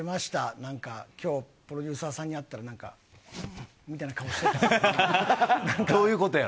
なんか、きょう、プロデューサーさんに会ったら、なんか、みたいな顔してたから。